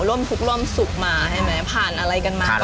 ร่วมทุกข์ร่วมสุขมาใช่ไหมผ่านอะไรกันมา